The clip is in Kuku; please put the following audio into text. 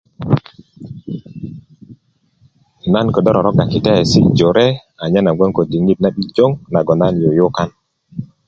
na ködö roroga kitesi jore anyen na gboŋ ko diŋit na 'bijo nagoŋ na yuyukan